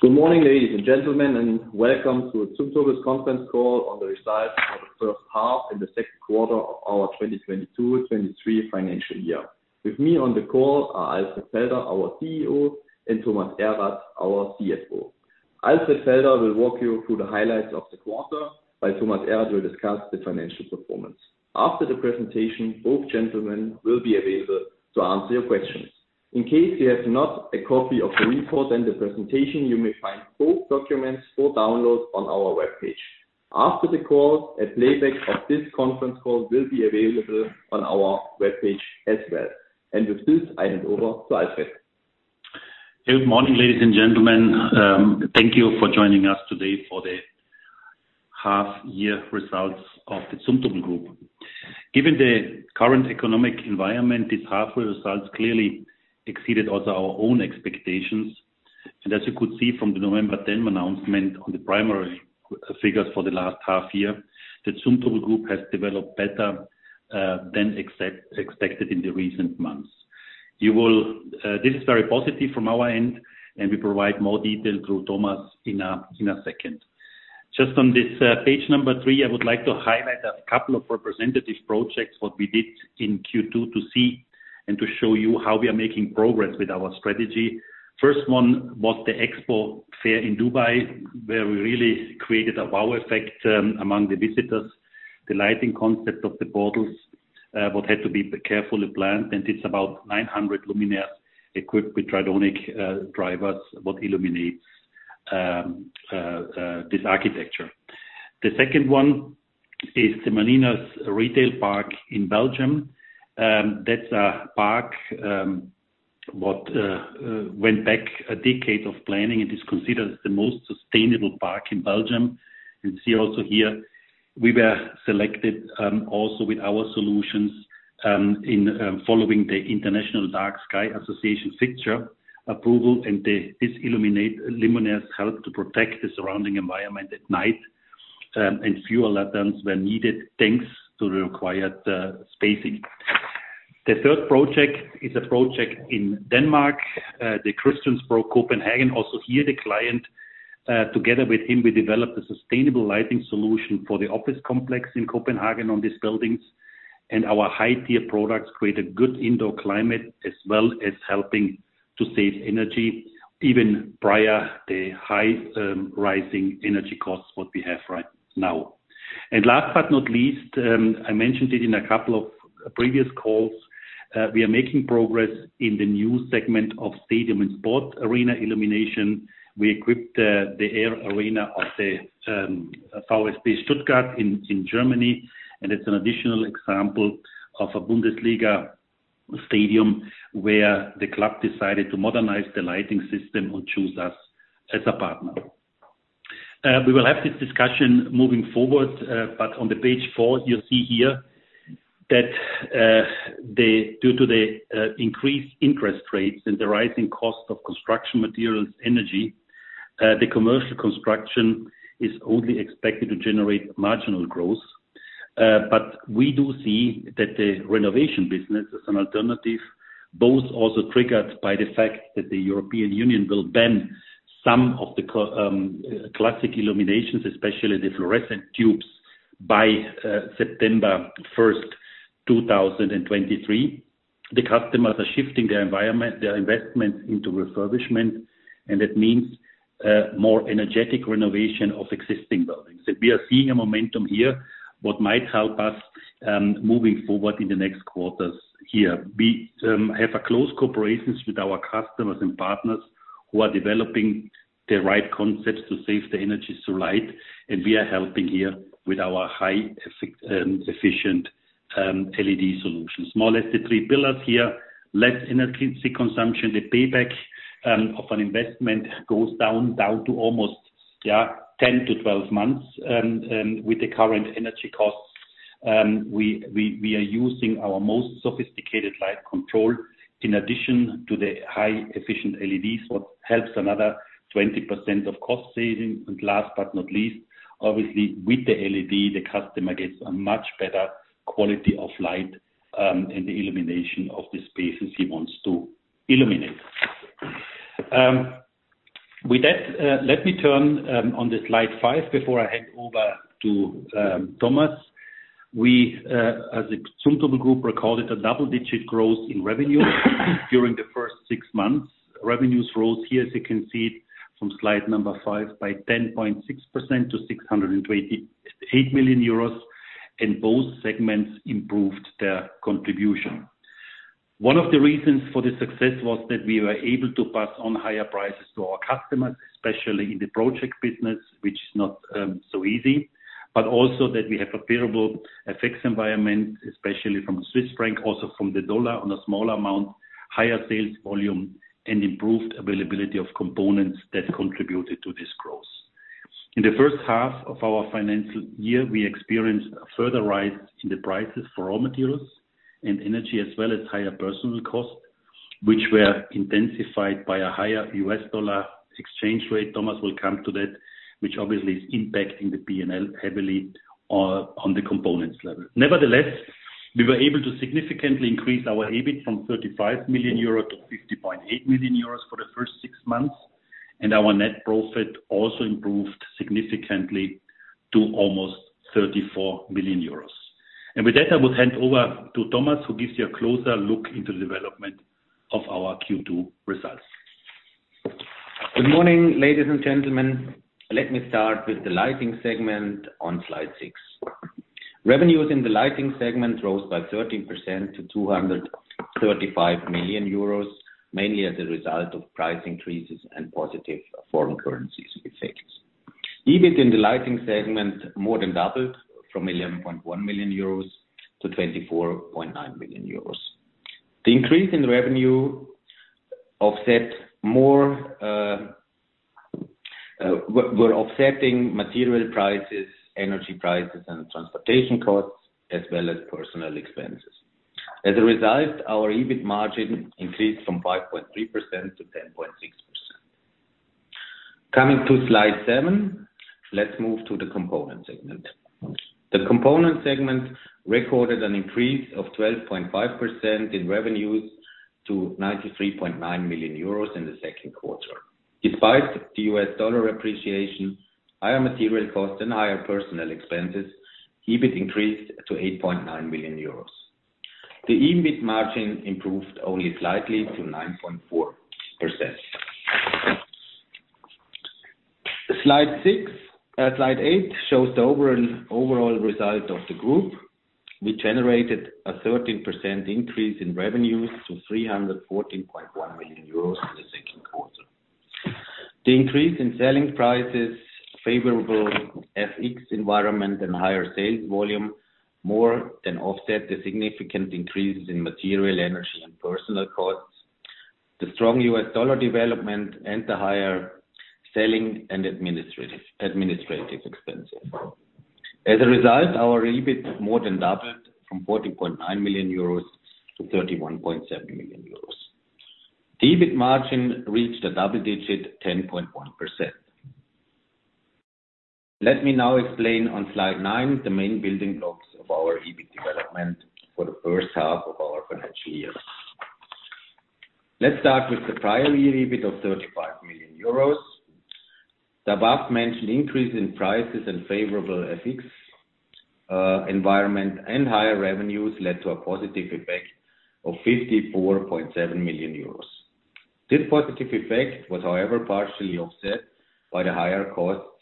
Good morning, ladies and gentlemen, welcome to Zumtobel Group's Conference Call on the results of the first half and the Second Quarter of Our 2022, 2023 Financial Year. With me on the call are Alfred Felder, our CEO, and Thomas Erath, our CFO. Alfred Felder will walk you through the highlights of the quarter by Thomas Erath will discuss the financial performance. After the presentation, both gentlemen will be available to answer your questions. In case you have not a copy of the report and the presentation, you may find both documents for download on our webpage. After the call, a playback of this conference call will be available on our webpage as well. With this, I hand over to Alfred. Good morning, ladies and gentlemen. Thank you for joining us today for the half year results of the Zumtobel Group. Given the current economic environment, these half results clearly exceeded also our own expectations. As you could see from the 10 November announcement on the primary figures for the last half year, the Zumtobel Group has developed better than expected in the recent months. This is very positive from our end, and we provide more detail through Thomas in a second. Just on this page number three, I would like to highlight a couple of representative projects, what we did in Q2 to see and to show you how we are making progress with our strategy. First one was the Expo fair in Dubai, where we really created a wow effect among the visitors. The lighting concept of the portals, what had to be carefully planned, and it's about 900 luminaire equipped with Tridonic drivers what illuminates this architecture. The second one is the Malinas Retail Park in Belgium. That's a park what went back a decade of planning and is considered the most sustainable park in Belgium. You see also here we were selected, also with our solutions, in following the International Dark-Sky Association fixture approval, and these illuminate luminaire help to protect the surrounding environment at night, and fewer lanterns were needed, thanks to the required spacing. The third project is a project in Denmark, the Christiansborg, Copenhagen. Also here, the client, together with him, we developed a sustainable lighting solution for the office complex in Copenhagen on these buildings. Our high tier products create a good indoor climate as well as helping to save energy even prior the high, rising energy costs what we have right now. Last but not least, I mentioned it in a couple of previous calls, we are making progress in the new segment of stadium and sport arena illumination. We equipped the Mercedes-Benz Arena of the VfB Stuttgart in Germany. It's an additional example of a Bundesliga stadium where the club decided to modernize the lighting system and choose us as a partner. We will have this discussion moving forward, on the page four, you'll see here that due to the increased interest rates and the rising cost of construction materials, energy, the commercial construction is only expected to generate marginal growth. We do see that the renovation business as an alternative, both also triggered by the fact that the European Union will ban some of the classic illuminations, especially the fluorescent tubes, by 1 September 2023. The customers are shifting their environment, their investments into refurbishment, and that means more energetic renovation of existing buildings. We are seeing a momentum here what might help us moving forward in the next quarters here. We have a close cooperation with our customers and partners who are developing the right concepts to save the energy to light, and we are helping here with our high efficient LED solutions. More or less the three pillars here, less energy consumption. The payback of an investment goes down to almost 10 to 12 months. With the current energy costs, we are using our most sophisticated light control in addition to the high efficient LEDs, what helps another 20% of cost saving. Last but not least, obviously, with the LED, the customer gets a much better quality of light in the illumination of the spaces he wants to illuminate. With that, let me turn on slide five before I hand over to Thomas. We, as the Zumtobel Group, recorded a double-digit growth in revenue during the first six months. Revenues rose here, as you can see from slide number five, by 10.6% to 628 million euros, and both segments improved their contribution. One of the reasons for the success was that we were able to pass on higher prices to our customers, especially in the project business, which is not so easy, but also that we have a favorable FX environment, especially from Swiss franc, also from the dollar on a small amount, higher sales volume, and improved availability of components that contributed to this growth. In the first half of our financial year, we experienced a further rise in the prices for raw materials and energy, as well as higher personal costs, which were intensified by a higher U.S. dollar exchange rate, Thomas will come to that, which obviously is impacting the P&L heavily on the components level. Nevertheless, we were able to significantly increase our EBIT from 35 million euros to 50.8 million euros for the first six months. Our net profit also improved significantly to almost 34 million euros. With that, I will hand over to Thomas, who gives you a closer look into the development of our Q2 results. Good morning, ladies and gentlemen. Let me start with the lighting segment on slide six. Revenues in the lighting segment rose by 13% to 235 million euros, mainly as a result of price increases and positive foreign currencies effects. EBIT in the lighting segment more than doubled from 11.1 million euros to 24.9 million euros. The increase in revenue were offsetting material prices, energy prices, and transportation costs, as well as personnel expenses. As a result, our EBIT margin increased from 5.3% to 10.6%. Coming to slide seven. Let's move to the component segment. The component segment recorded an increase of 12.5% in revenues to 93.9 million euros in the second quarter. Despite the U.S. dollar appreciation, higher material costs, and higher personnel expenses, EBIT increased to 8.9 million euros. The EBIT margin improved only slightly to 9.4%. Slide six, slide eight shows the overall result of the group. We generated a 13% increase in revenues to 314.1 million euros in the second quarter. The increase in selling prices, favorable FX environment, and higher sales volume more than offset the significant increases in material, energy, and personal costs, the strong U.S. dollar development, and the higher selling and administrative expenses. As a result, our EBIT more than doubled from 14.9 million euros to 31.7 million euros. The EBIT margin reached a double-digit 10.1%. Let me now explain on slide nine the main building blocks of our EBIT development for the first half of our financial year. Let's start with the prior year EBIT of 35 million euros. The above-mentioned increase in prices and favorable FX environment and higher revenues led to a positive effect of 54.7 million euros. This positive effect was, however, partially offset by the higher costs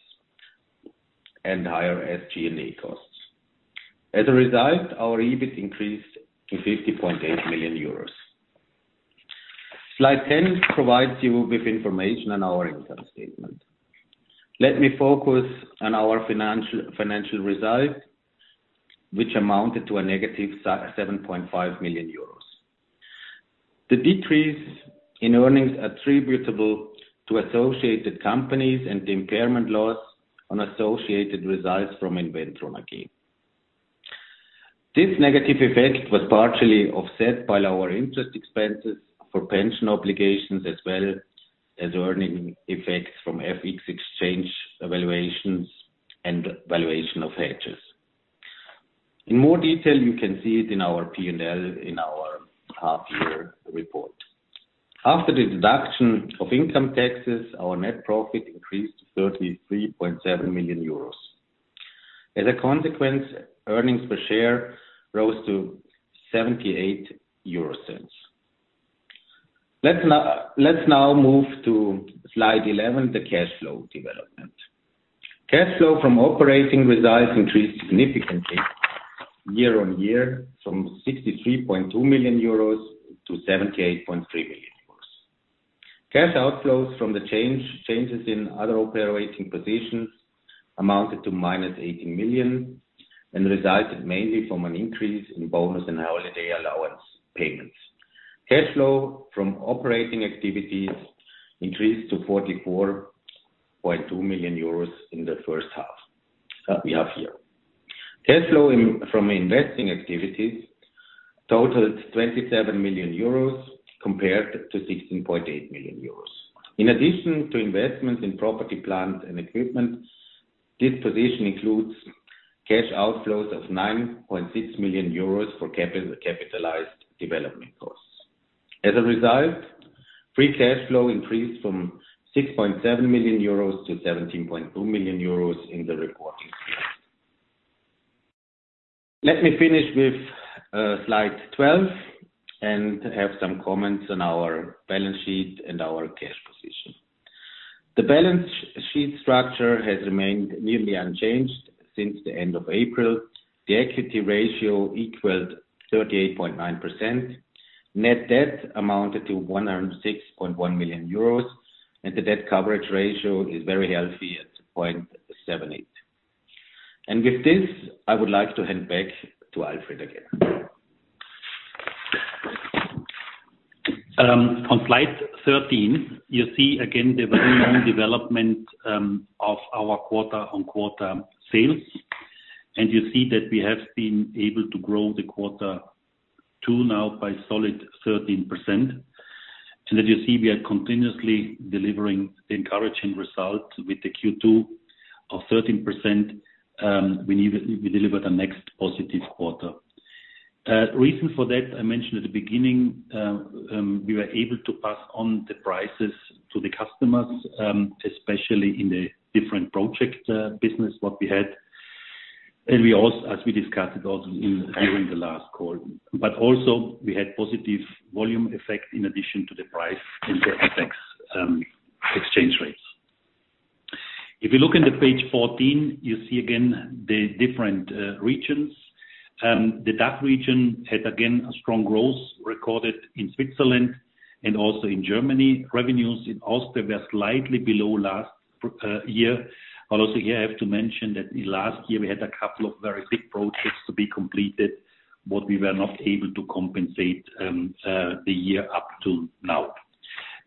and higher SG&A costs. As a result, our EBIT increased to 50.8 million euros. Slide 10 provides you with information on our income statement. Let me focus on our financial result, which amounted to a negative 7.5 million euros. The decrease in earnings attributable to associated companies and the impairment loss on associated results from Inventron again. This negative effect was partially offset by lower interest expenses for pension obligations, as well as earning effects from FX exchange evaluations and valuation of hedges. In more detail, you can see it in our P&L in our half year report. After the deduction of income taxes, our net profit increased to 33.7 million euros. As a consequence, earnings per share rose to 0.78. Let's now move to slide 11, the cash flow development. Cash flow from operating results increased significantly year-on-year from 63.2 million euros to 78.3 million euros. Cash outflows from the changes in other operating positions amounted to minus 18 million and resulted mainly from an increase in bonus and holiday allowance payments. Cash flow from operating activities increased to 44.2 million euros in the first half, we have here. Cash flow in, from investing activities totaled 27 million euros compared to 16.8 million euros. In addition to investments in property, plant, and equipment, this position includes cash outflows of 9.6 million euros for capitalized development costs. As a result, free cash flow increased from 6.7 million euros to 17.2 million euros in the reporting period. Let me finish with slide 12 and have some comments on our balance sheet and our cash position. The balance sheet structure has remained nearly unchanged since the end of April. The equity ratio equaled 38.9%. Net debt amounted to 106.1 million euros, and the debt coverage ratio is very healthy at 0.78. With this, I would like to hand back to Alfred again. On slide 13, you see again the very long development of our quarter-on-quarter sales, you see that we have been able to grow the quarter two now by solid 13%. As you see, we are continuously delivering encouraging results with the Q2 of 13%. We deliver the next positive quarter. Reason for that, I mentioned at the beginning, we were able to pass on the prices to the customers, especially in the different project business, what we had. We also, as we discussed also during the last call. Also we had positive volume effect in addition to the price and the effects, exchange rates. If you look in page 14, you see again the different regions. The DACH region had, again, a strong growth recorded in Switzerland and also in Germany. Revenues in Austria were slightly below last year. Although here I have to mention that last year we had a couple of very big projects to be completed, what we were not able to compensate the year up to now.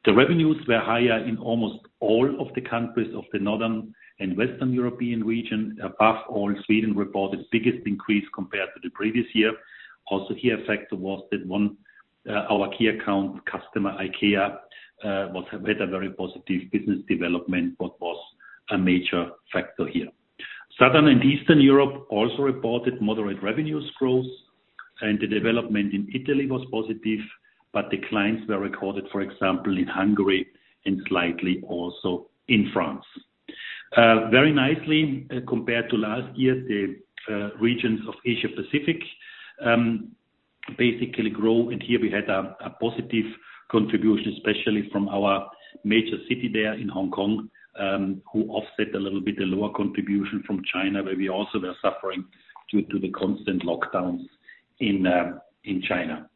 The revenues were higher in almost all of the countries of the Northern and Western European region. Above all, Sweden reported the biggest increase compared to the previous year. Also here factor was that one, our key account customer, IKEA, was a very positive business development, what was a major factor here. Southern and Eastern Europe also reported moderate revenues growth, and the development in Italy was positive, but declines were recorded for example, in Hungary and slightly also in France. Very nicely compared to last year, the regions of Asia-Pacific basically grow, here we had a positive contribution, especially from our major city there in Hong Kong, who offset a little bit the lower contribution from China, where we also were suffering due to the constant lockdowns in China.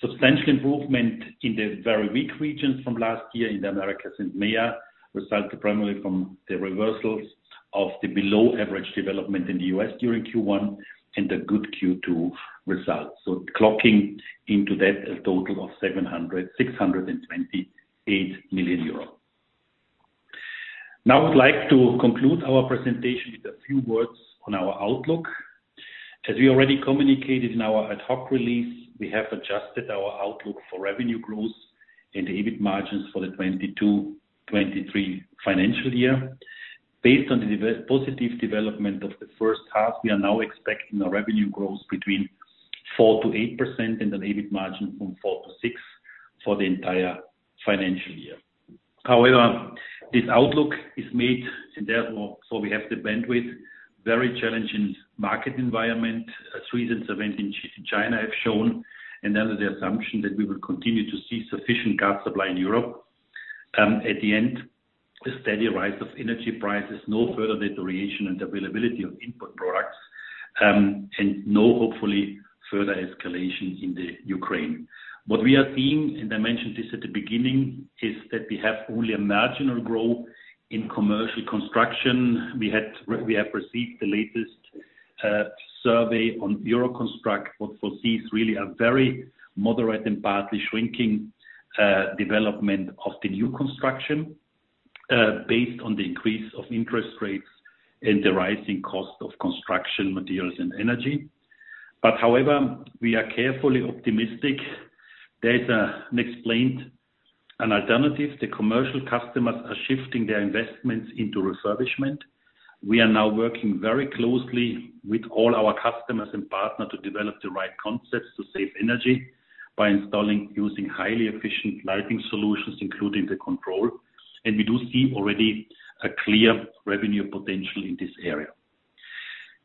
Substantial improvement in the very weak regions from last year in the Americas and MEA resulted primarily from the reversals of the below average development in the U.S. during Q1 and a good Q2 result. Clocking into that a total of 700, 628 million. Now I'd like to conclude our presentation with a few words on our outlook. As we already communicated in our ad hoc release, we have adjusted our outlook for revenue growth and the EBIT margins for the 2022, 2023 financial year. Based on the positive development of the first half, we are now expecting a revenue growth between 4%-8% and an EBIT margin from 4%-6% for the entire financial year. However, this outlook is made, and therefore, so we have the bandwidth, very challenging market environment. Recent events in China have shown, and under the assumption that we will continue to see sufficient gas supply in Europe, at the end, a steady rise of energy prices, no further deterioration and availability of input products, and no, hopefully, further escalation in the Ukraine. What we are seeing, and I mentioned this at the beginning, is that we have only a marginal growth in commercial construction. We have received the latest survey on EUROCONSTRUCT, what foresees really a very moderate and partly shrinking development of the new construction based on the increase of interest rates and the rising cost of construction materials and energy. However, we are carefully optimistic. There's a unexplained, an alternative. The commercial customers are shifting their investments into refurbishment. We are now working very closely with all our customers and partners to develop the right concepts to save energy by installing, using highly efficient lighting solutions, including the control. We do see already a clear revenue potential in this area.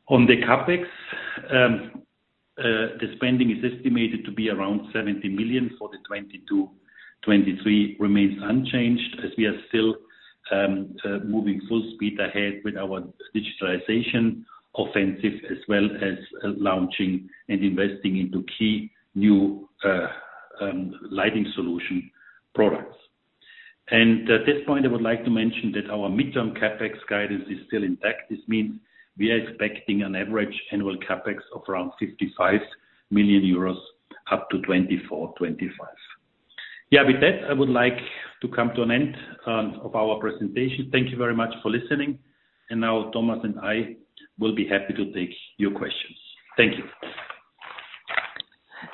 On the CapEx, the spending is estimated to be around 70 million for the 2022, 2023 remains unchanged as we are still moving full speed ahead with our digitalization offensive, as well as launching and investing into key new lighting solution products. At this point, I would like to mention that our mid-term CapEx guidance is still intact. This means we are expecting an average annual CapEx of around 55 million euros up to 2024/2025. With that, I would like to come to an end of our presentation. Thank you very much for listening. Now Thomas and I will be happy to take your questions. Thank you.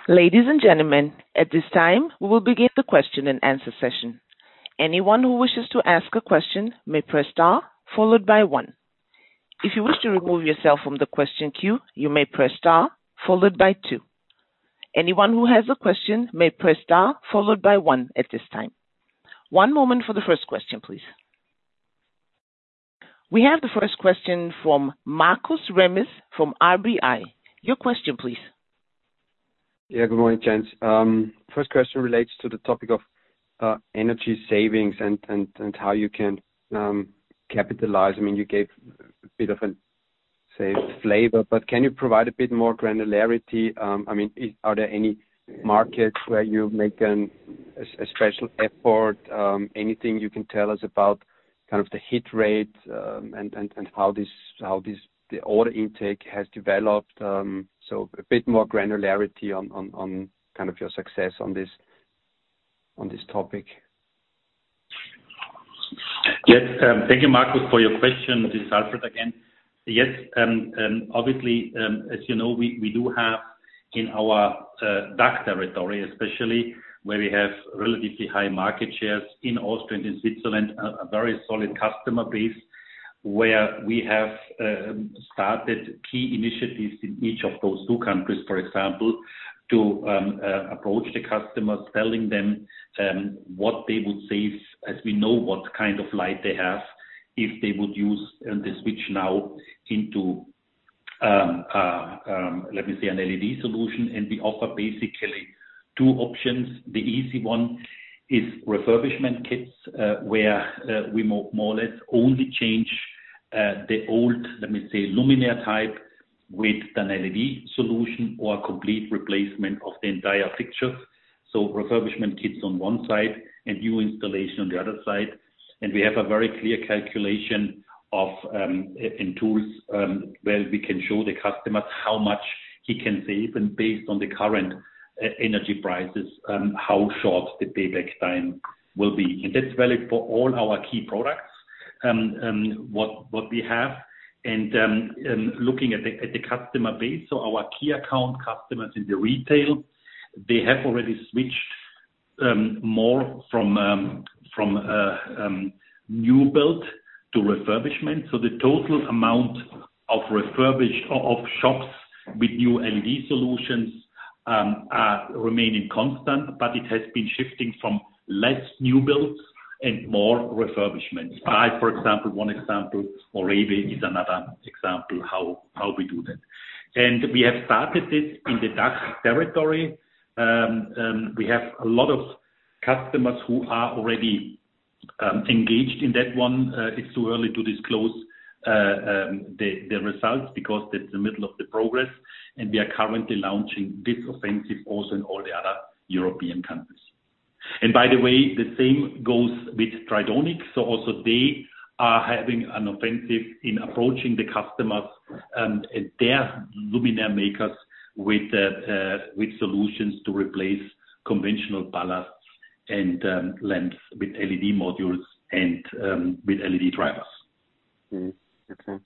Ladies and gentlemen, at this time, we will begin the question and answer session. Anyone who wishes to ask a question may press star followed by one. If you wish to remove yourself from the question queue, you may press star followed by two. Anyone who has a question may press star followed by one at this time. One moment for the first question, please. We have the first question from Marcus Remmers from RBI. Your question, please. Yeah. Good morning, gents. First question relates to the topic of energy savings and how you can capitalize. I mean, you gave a bit of a, say, flavor, but can you provide a bit more granularity? I mean, are there any markets where you make a special effort? Anything you can tell us about kind of the hit rate and how this, the order intake has developed? A bit more granularity on kind of your success on this, on this topic. Yes. Thank you, Marcus, for your question. This is Alfred again. Yes. Obviously, as you know, we do have in our DACH territory, especially where we have relatively high market shares in Austria and in Switzerland, a very solid customer base where we have started key initiatives in each of those two countries, for example, to approach the customers, telling them what they would save, as we know what kind of light they have, if they would use and they switch now into, let me see, an LED solution. We offer basically two options. The easy one is refurbishment kits, where we more or less only change the old, let me say, luminaire type with an LED solution or a complete replacement of the entire fixture. Refurbishment kits on one side and new installation on the other side. We have a very clear calculation of, and tools, where we can show the customers how much he can save and based on the current energy prices, how short the payback time will be. That's valid for all our key products, what we have and looking at the customer base. Our key account customers in the retail, they have already switched, more from, new build to refurbishment. The total amount of shops with new LED solutions, are remaining constant, but it has been shifting from less new builds and more refurbishments. I for example, one example, or AB is another example how we do that. We have started this in the DACH territory. We have a lot of customers who are already engaged in that one. It's too early to disclose the results because that's the middle of the progress, and we are currently launching this offensive also in all the other European countries. The same goes with Tridonic. They are having an offensive in approaching the customers and their luminaire makers with solutions to replace conventional ballasts and lengths with LED modules and with LED drivers. Okay. Okay.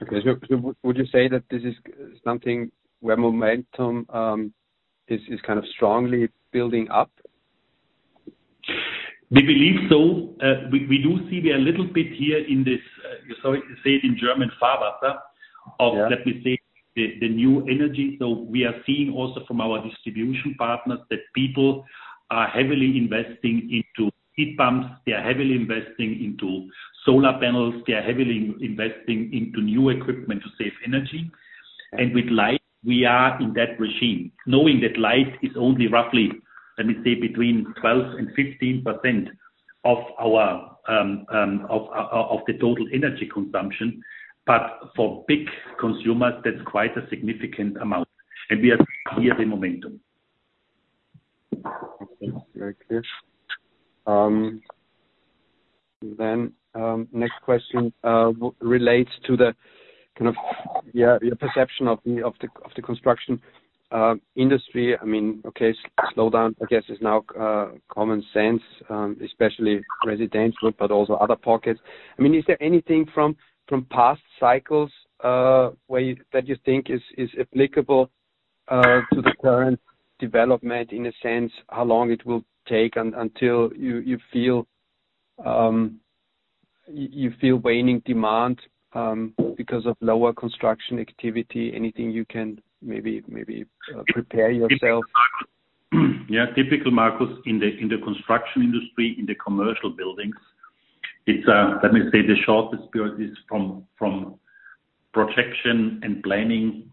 Would you say that this is something where momentum is kind of strongly building up? We believe so. We do see we are a little bit here in this, let me say it in German, Fahrwasser of. Yeah. Let me say the new energy. We are seeing also from our distribution partners that people are heavily investing into heat pumps, they are heavily investing into solar panels, they are heavily investing into new equipment to save energy. With light, we are in that regime knowing that light is only roughly, let me say, between 12% and 15% of our of the total energy consumption. For big consumers, that's quite a significant amount. We are seeing here the momentum. Okay. Very clear. Next question relates to the kind of your perception of the construction industry. I mean, okay, slow down, I guess, is now common sense, especially residential, but also other pockets. I mean, is there anything from past cycles that you think is applicable to the current development in a sense, how long it will take until you feel waning demand because of lower construction activity? Anything you can maybe prepare yourself? Yeah. Typical, Markus, in the construction industry, in the commercial buildings, it's, let me say the shortest period is from projection and planning,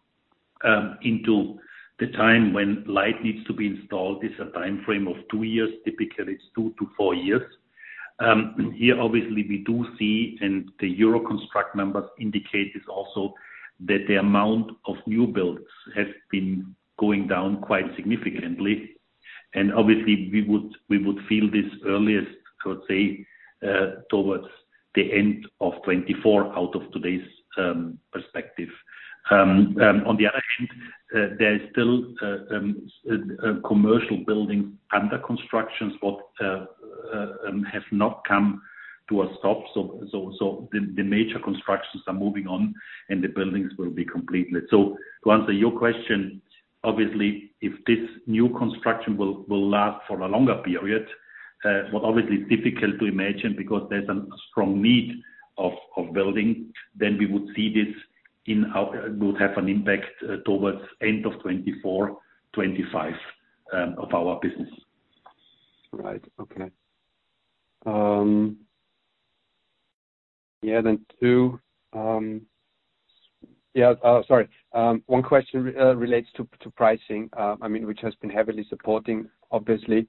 into the time when light needs to be installed. It's a time frame of two years. Typically, it's two-four years. Here obviously we do see, and the EUROCONSTRUCT numbers indicate this also, that the amount of new builds has been going down quite significantly. Obviously, we would feel this earliest, could say, towards the end of 2024 out of today's perspective. On the other hand, there is still commercial buildings under construction, but have not come to a stop. The major constructions are moving on, and the buildings will be completed. To answer your question, obviously, if this new construction will last for a longer period, what obviously is difficult to imagine because there's a strong need of building, then we would see this would have an impact towards end of 2024, 2025 of our business. Right. Okay. Sorry. One question relates to pricing. I mean, which has been heavily supporting, obviously.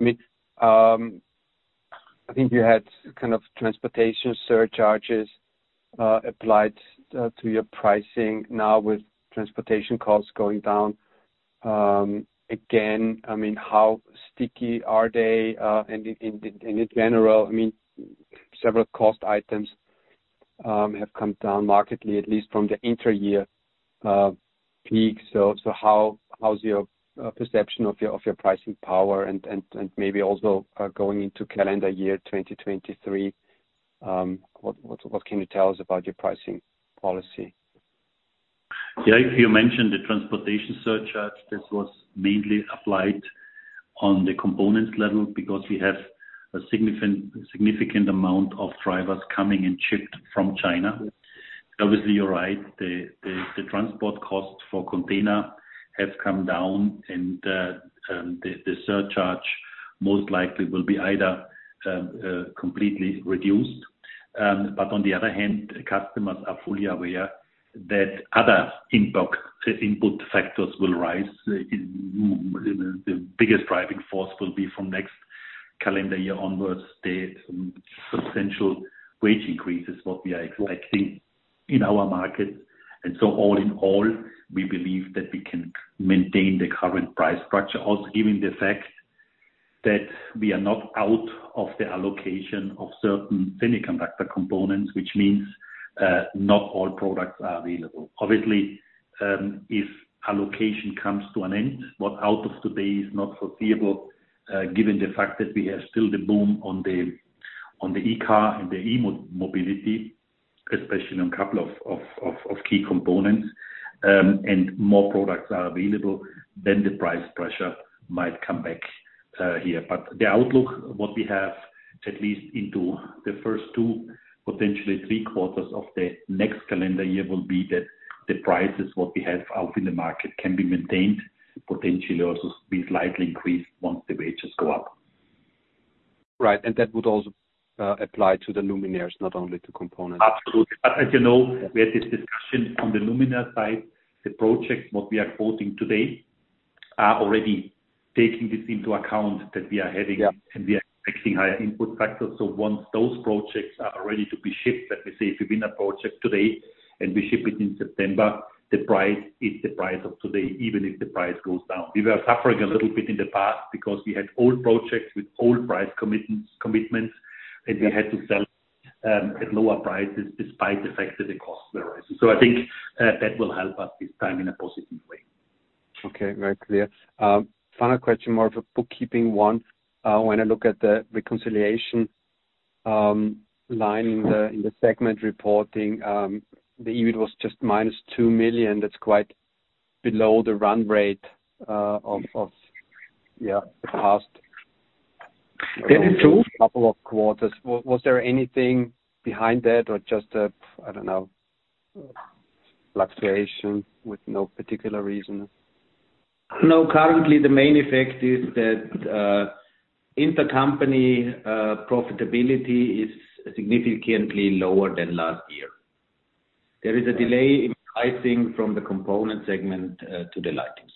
I mean, I think you had kind of transportation surcharges applied to your pricing now with transportation costs going down. Again, I mean, how sticky are they? And in general, I mean, several cost items have come down markedly, at least from the inter year peak. How is your perception of your pricing power? And maybe also going into calendar year 2023, what can you tell us about your pricing policy? Yeah. If you mentioned the transportation surcharge, this was mainly applied on the components level because we have a significant amount of drivers coming and shipped from China. Obviously, you're right. The transport costs for container have come down and the surcharge most likely will be either completely reduced. On the other hand, customers are fully aware that other inbox input factors will rise. The biggest driving force will be from next calendar year onwards, the substantial wage increases, what we are expecting in our market. All in all, we believe that we can maintain the current price structure. Also, given the fact that we are not out of the allocation of certain semiconductor components, which means not all products are available. Obviously, if allocation comes to an end, but out of today is not foreseeable, given the fact that we have still the boom on the e-car and the e-mobility, especially on a couple of key components, and more products are available, then the price pressure might come back here. The outlook, what we have at least into the first two, potentially three quarters of the next calendar year will be that the prices, what we have out in the market can be maintained, potentially also be slightly increased once the wages go up. Right. That would also, apply to the luminaires, not only to components. Absolutely, as you know, we had this discussion on the luminaire side. The projects, what we are quoting today are already taking this into account. Yeah. We are expecting higher input factors. Once those projects are ready to be shipped, let me say, if you win a project today and we ship it in September, the price is the price of today, even if the price goes down. We were suffering a little bit in the past because we had old projects with old price commitments, and we had to sell at lower prices despite the fact that the costs were rising. I think that will help us this time in a positive way. Okay, very clear. Final question, more of a bookkeeping one. When I look at the reconciliation, line in the segment reporting, the EBIT was just minus 2 million. That's quite below the run rate, of, yeah, the past couple of quarters. Was there anything behind that or just a, I don't know, fluctuation with no particular reason? No. Currently the main effect is that, inter-company, profitability is significantly lower than last year. There is a delay in pricing from the component segment to the lighting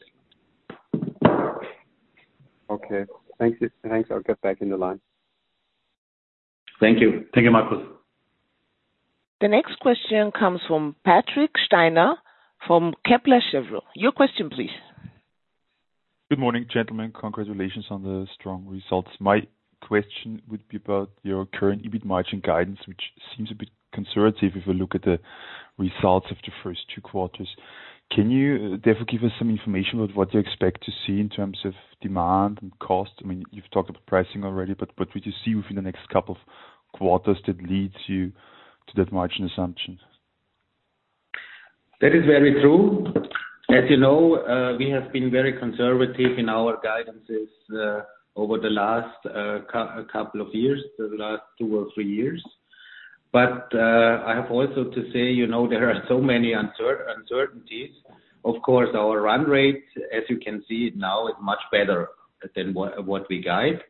segment. Okay. Thanks. Thanks. I'll get back in the line. Thank you. Thank you, Markus. The next question comes from Patrick Steiner, from Kepler Cheuvreux. Your question please. Good morning, gentlemen. Congratulations on the strong results. My question would be about your current EBIT margin guidance, which seems a bit conservative if you look at the results of the first 2 quarters. Can you therefore give us some information about what you expect to see in terms of demand and cost? I mean, you've talked about pricing already, but what would you see within the next couple of quarters that leads you to that margin assumption? That is very true. As you know, we have been very conservative in our guidance over the last couple of years, the last two or three years. I have also to say, you know, there are so many uncertainties. Of course, our run rate, as you can see now, is much better than what we guide.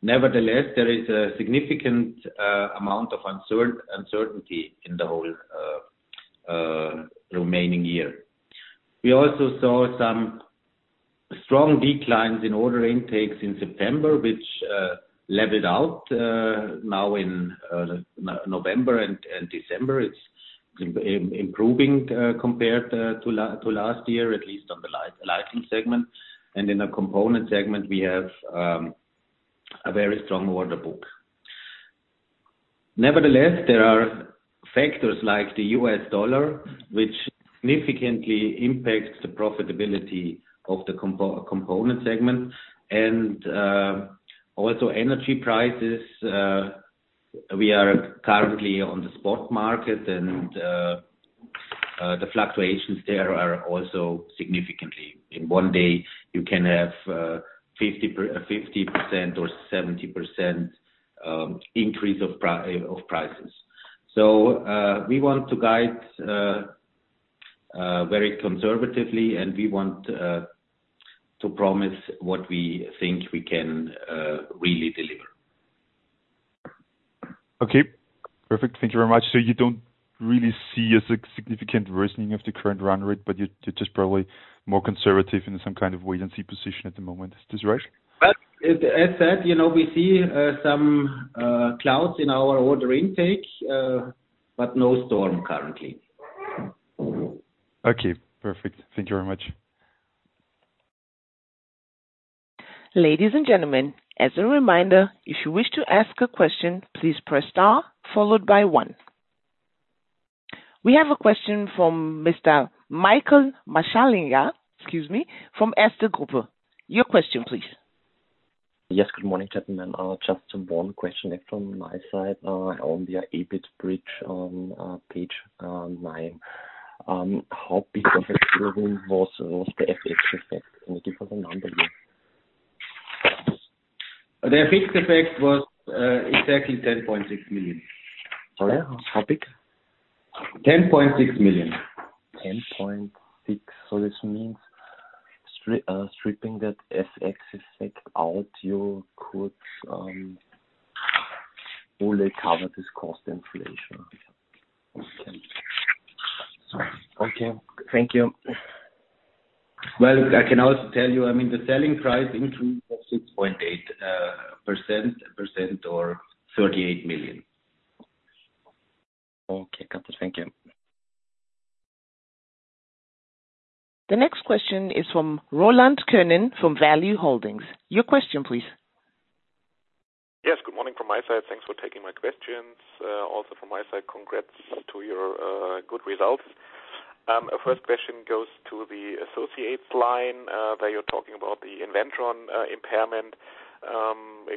Nevertheless, there is a significant amount of uncertainty in the whole remaining year. We also saw some strong declines in order intakes in September, which leveled out now in November and December. It's improving compared to last year, at least on the lighting segment. In the component segment, we have a very strong order book. Nevertheless, there are factors like the U.S. dollar, which significantly impacts the profitability of the component segment and also energy prices. We are currently on the spot market and the fluctuations there are also significantly. In one day, you can have 50% or 70% increase of prices. We want to guide very conservatively, and we want to promise what we think we can really deliver. Okay, perfect. Thank you very much. You don't really see a significant worsening of the current run rate, but you're just probably more conservative in some kind of wait and see position at the moment. Is this right? As said, you know, we see some clouds in our order intake, but no storm currently. Okay, perfect. Thank you very much. Ladies and gentlemen, as a reminder, if you wish to ask a question, please press star followed by one. We have a question from Mr. Michael Marschallinger, excuse me, from SD Gruppe. Your question, please. Good morning, gentlemen. Just one question from my side, on the EBIT bridge on page nine. How big of a driven was the FX effect? Can you give us a number here? The FX effect was exactly 10.6 million. Sorry. How big? 10.6 million. 10.6. This means stripping that FX effect out, you could fully cover this cost inflation. Okay. Thank you. Well, I can also tell you, I mean, the selling price increased of 6.8% or 38 million. Okay. Got it. Thank you. The next question is from Roland Könen, from Value Holdings. Your question, please. Yes. Good morning from my side. Thanks for taking my questions. Also from my side, congrats to your good results. First question goes to the associates line, where you're talking about the Inventron impairment.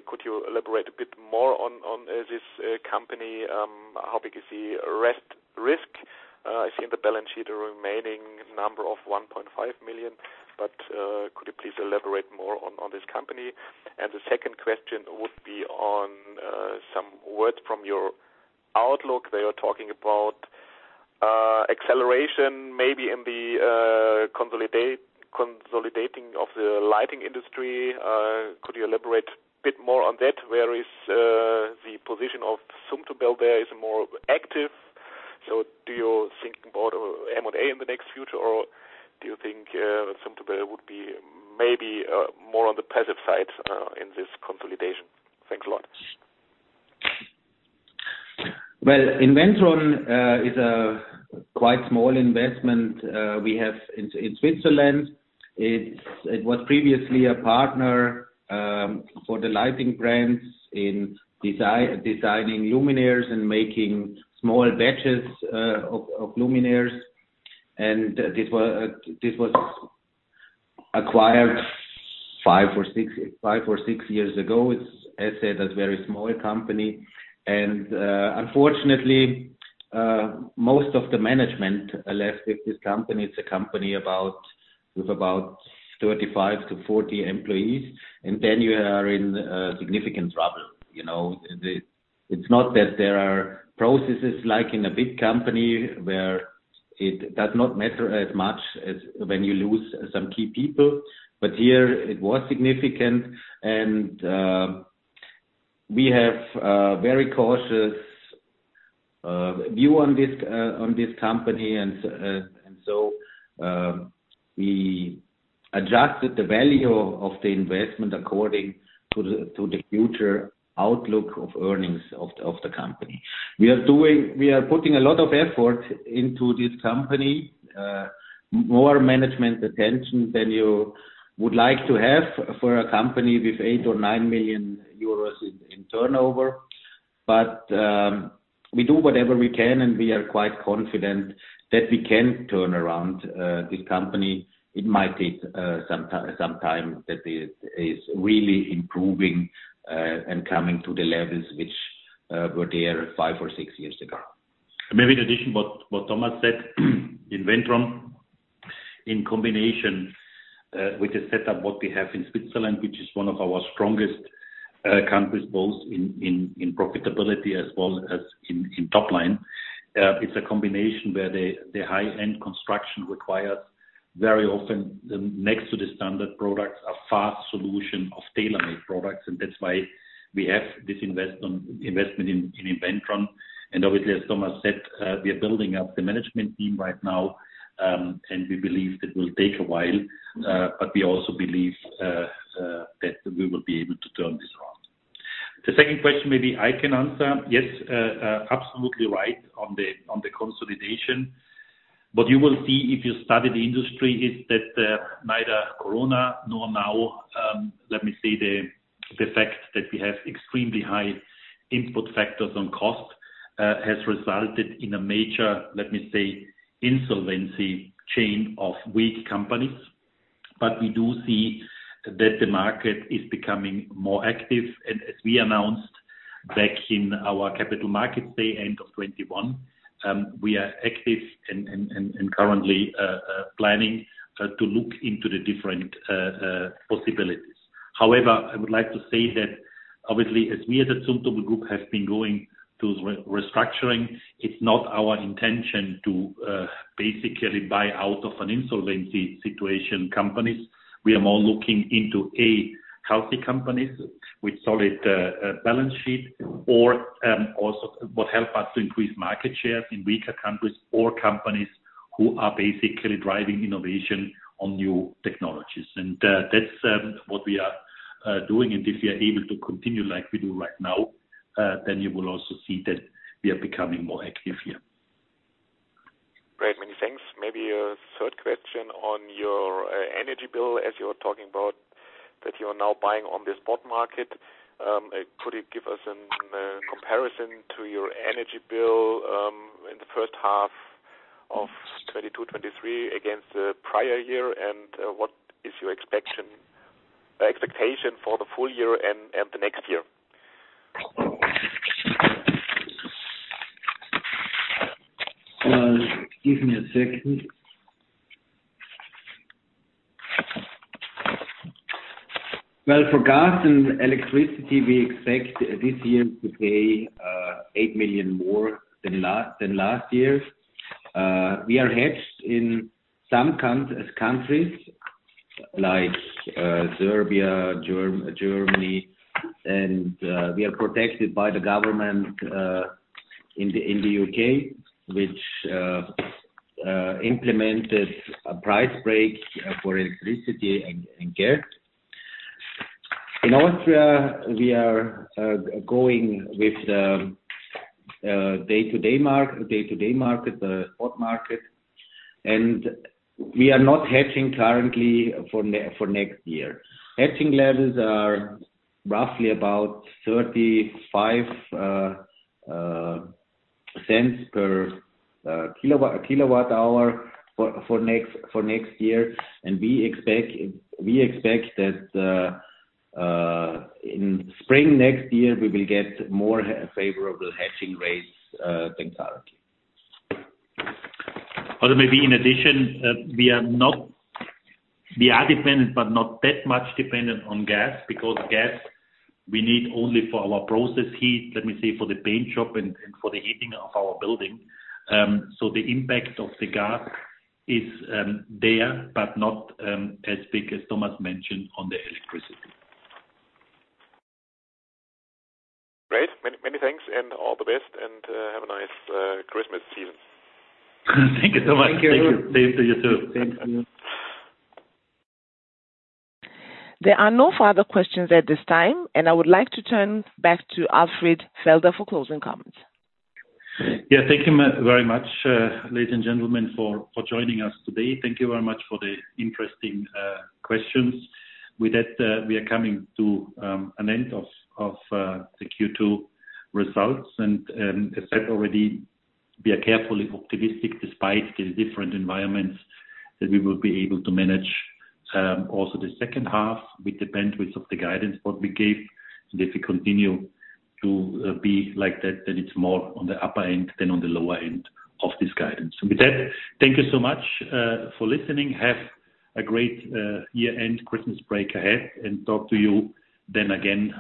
Could you elaborate a bit more on this company? How big is the rest risk? I see in the balance sheet a remaining number of 1.5 million, could you please elaborate more on this company? The second question would be on some words from your outlook. Where you're talking about acceleration maybe in the consolidating of the lighting industry. Could you elaborate a bit more on that? Where is the position of Zumtobel there? Is it more active? Do you think about M&A in the next future, or do you think, Zumtobel would be maybe, more on the passive side, in this consolidation? Thanks a lot. Well, Inventron is a quite small investment we have in Switzerland. It was previously a partner for the lighting brands in designing luminaires and making small batches of luminaires. This was acquired five or six years ago. It's as said, a very small company. Unfortunately, most of the management left with this company. It's a company with about 35 to 40 employees, then you are in significant trouble, you know. It's not that there are processes like in a big company where it does not matter as much as when you lose some key people, but here it was significant, and we have a very cautious view on this company. We adjusted the value of the investment according to the future outlook of earnings of the company. We are putting a lot of effort into this company, more management attention than you would like to have for a company with 8 million - 9 million euros in turnover. We do whatever we can, and we are quite confident that we can turn around this company. It might take some time that is really improving and coming to the levels which were there five or six years ago. Maybe in addition what Thomas said, Inventron in combination, with the setup what we have in Switzerland, which is one of our strongest countries, both in profitability as well as in top line. It's a combination where the high-end construction requires very often next to the standard products, a fast solution of tailor-made products, and that's why we have this investment in Inventron. Obviously, as Thomas said, we are building up the management team right now, and we believe that will take a while, but we also believe that we will be able to turn this around. The second question maybe I can answer. Yes, absolutely right on the consolidation. You will see if you study the industry is that neither corona nor now, let me say the fact that we have extremely high input factors on cost has resulted in a major insolvency chain of weak companies. We do see that the market is becoming more active, and as we announced back in our capital markets day, end of 2021, we are active and currently planning to look into the different possibilities. I would like to say that obviously, as we as a Zumtobel Group have been going through restructuring, it's not our intention to basically buy out of an insolvency situation companies. We are more looking into, A, healthy companies with solid balance sheet or also what help us to increase market share in weaker countries or companies who are basically driving innovation on new technologies. That's what we are doing. If we are able to continue like we do right now, then you will also see that we are becoming more active here. Great, many thanks. Maybe a third question on your energy bill as you're talking about that you are now buying on the spot market. Could you give us a comparison to your energy bill in the first half of 2022, 2023 against the prior year, and what is your expectation for the full year and the next year? Give me a second. Well, for gas and electricity, we expect this year to pay 8 million more than last year. We are hedged in some countries like Serbia, Germany, and we are protected by the government in the U.K., which implemented a price break for electricity and gas. In Austria, we are going with the day-to-day market, the spot market, and we are not hedging currently for next year. Hedging levels are roughly about 35 cents per kilowatt hour for next year. We expect that in spring next year we will get more favorable hedging rates than currently. Maybe in addition, we are dependent, but not that much dependent on gas, because gas we need only for our process heat, let me say, for the paint shop and for the heating of our building. The impact of the gas is there, but not as big as Thomas mentioned on the electricity. Great. Many, many thanks and all the best and have a nice Christmas season. Thank you so much. Thank you. Same to you too. Thank you. There are no further questions at this time, and I would like to turn back to Alfred Felder for closing comments. Yeah. Thank you very much, ladies and gentlemen, for joining us today. Thank you very much for the interesting questions. With that, we are coming to an end of the Q2 results. As said already, we are carefully optimistic despite the different environments that we will be able to manage also the second half with the bandwidth of the guidance what we gave. If we continue to be like that, then it's more on the upper end than on the lower end of this guidance. With that, thank you so much for listening. Have a great year-end Christmas break ahead, and talk to you then again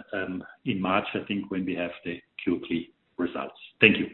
in March I think when we have the Q3 results. Thank you.